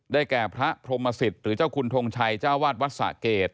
แก่พระพรมศิษย์หรือเจ้าคุณทงชัยเจ้าวาดวัดสะเกด